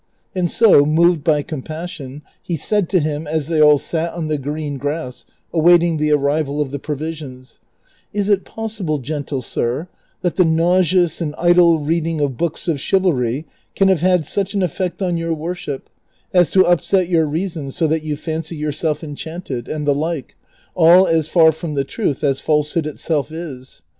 And so, moved by compassion, he said to him, as they all sat on the green grass awaiting the arrival of the pro visions, '' Is it possible, gentle sir, that the nauseous and idle reading of books of chivalry can have had such an effect on your worship as to upset your reason so that you fancy your self enchanted, and the like, all as far from the truth as false hood itself is